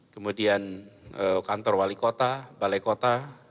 kemudian kantor wali kota balai kota